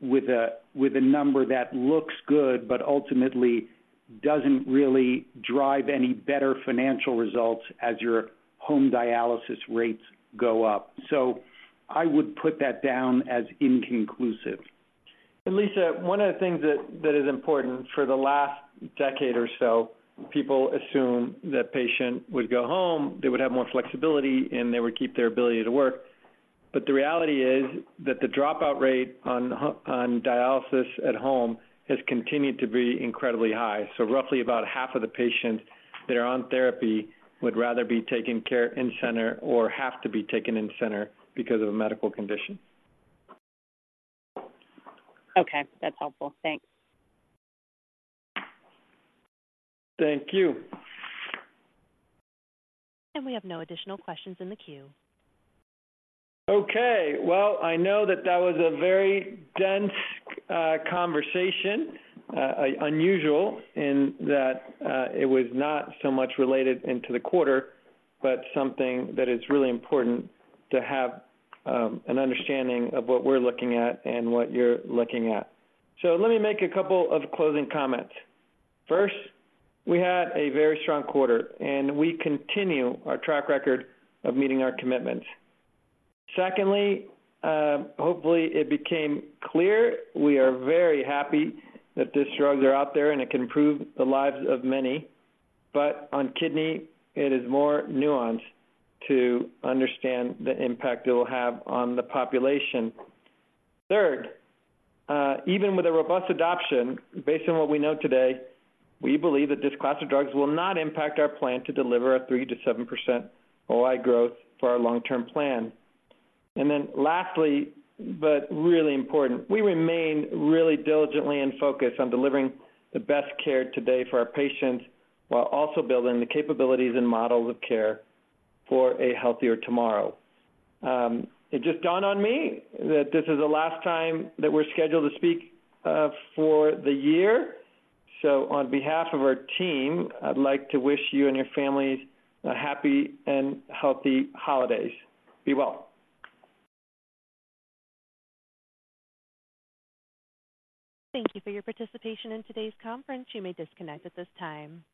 with a number that looks good, but ultimately doesn't really drive any better financial results as your home dialysis rates go up. So I would put that down as inconclusive. And Lisa, one of the things that is important, for the last decade or so, people assume that patient would go home, they would have more flexibility, and they would keep their ability to work. But the reality is that the dropout rate on dialysis at home has continued to be incredibly high. So roughly about half of the patients that are on therapy would rather be taken care in-center or have to be taken in-center because of a medical condition. Okay, that's helpful. Thanks. Thank you. We have no additional questions in the queue. Okay, well, I know that that was a very dense conversation, unusual in that it was not so much related into the quarter, but something that is really important to have an understanding of what we're looking at and what you're looking at. So let me make a couple of closing comments. First, we had a very strong quarter, and we continue our track record of meeting our commitments. Secondly, hopefully, it became clear we are very happy that these drugs are out there, and it can improve the lives of many. But on kidney, it is more nuanced to understand the impact it will have on the population. Third, even with a robust adoption, based on what we know today, we believe that this class of drugs will not impact our plan to deliver a 3%-7% OI growth for our long-term plan. And then lastly, but really important, we remain really diligently in focus on delivering the best care today for our patients, while also building the capabilities and models of care for a healthier tomorrow. It just dawned on me that this is the last time that we're scheduled to speak, for the year. So on behalf of our team, I'd like to wish you and your families a happy and healthy holidays. Be well. Thank you for your participation in today's conference. You may disconnect at this time.